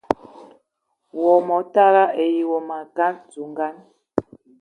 Wo motara ayi wo mokal zugan